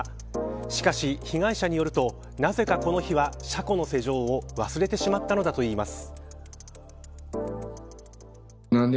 しかし、被害者によるとなぜかこの日は車庫の施錠を忘れてしまったのだといいます。